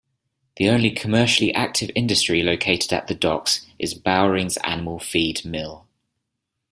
The only commercially active industry located at the docks is Bowering's Animal Feed Mill.